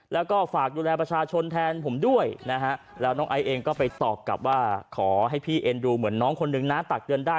แล้วก็ฝากดูแลประชาชนแทนผมด้วยนะฮะแล้วน้องไอซ์เองก็ไปตอบกลับว่าขอให้พี่เอ็นดูเหมือนน้องคนนึงนะตักเตือนได้